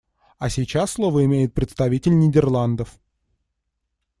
А сейчас слово имеет представитель Нидерландов.